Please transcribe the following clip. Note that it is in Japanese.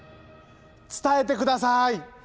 伝えてください！